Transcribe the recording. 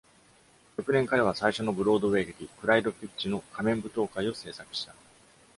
翌年、彼は最初のブロードウェイ劇、クライド・フィッチの「仮面舞踏会」を制作した。